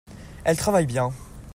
elle travaille bien.